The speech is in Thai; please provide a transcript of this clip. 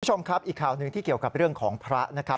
คุณผู้ชมครับอีกข่าวหนึ่งที่เกี่ยวกับเรื่องของพระนะครับ